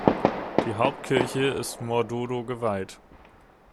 Die Hauptkirche ist Mor Dodo geweiht.